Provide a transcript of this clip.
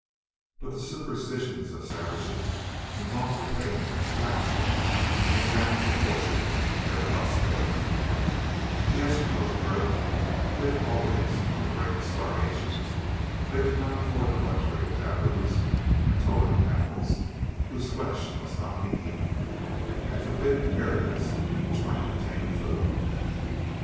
But the superstitions of savages involve the payment of blackmail in exact proportion to their prosperity. The Eskimos of Earth lived always on the brink of starvation. They could not afford the luxury of tabus and totem animals whose flesh must not be eaten, and forbidden areas which might contain food.